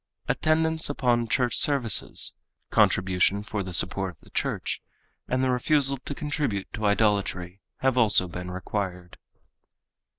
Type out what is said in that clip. Attendance upon church services, contribution for the support of the church, and the refusal to contribute to idolatry have also been required.